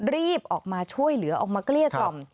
รีบออกมาช่วยเหลือออกมาเกลี้ยกล่อม